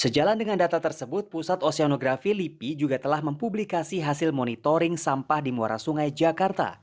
sejalan dengan data tersebut pusat oseanografi lipi juga telah mempublikasi hasil monitoring sampah di muara sungai jakarta